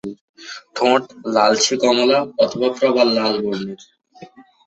ঠোঁট লালচে-কমলা অথবা প্রবাল-লাল বর্ণের।